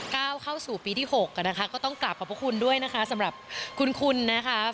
ก้าวเข้าสู่ปีที่หกอ่ะนะคะก็ต้องกลับขอบพระคุณด้วยนะคะสำหรับคุณคุณนะคะ